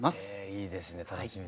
いいですね楽しみです。